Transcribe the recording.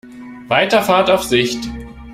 Weiterfahrt auf Sicht.